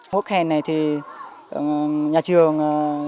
hốt khen này thì nhà trường